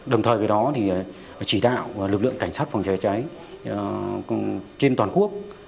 đồng thời với đó chỉ đạo lực lượng cảnh sát phòng cháy chữa cháy trên toàn quốc